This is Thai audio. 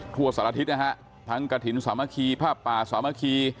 ทั่วสารทิศนะฮะทั้งกระถิ่นสามัคคีผ้าป่าสามัคคี